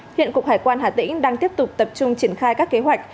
hiện cục hải quan hà tĩnh đang tiếp tục tập trung triển khai các kế hoạch